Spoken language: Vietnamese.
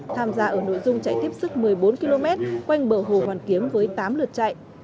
tham gia ở nội dung chạy tiếp sức một mươi bốn km quanh bờ hồ hoàn kiếm với tám lượt chạy